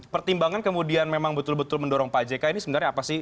pertimbangan kemudian memang betul betul mendorong pak jk ini sebenarnya apa sih